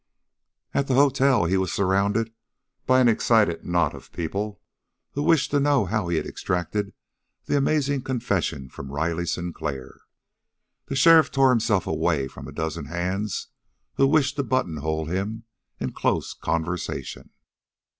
At the hotel he was surrounded by an excited knot of people who wished to know how he had extracted the amazing confession from Riley Sinclair. The sheriff tore himself away from a dozen hands who wished to buttonhole him in close conversation.